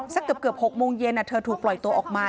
สักเกือบ๖โมงเย็นเธอถูกปล่อยตัวออกมา